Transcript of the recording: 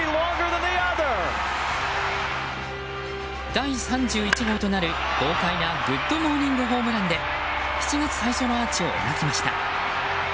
第３１号となる豪快なグッドモーニング・ホームランで７月最初のアーチを描きました。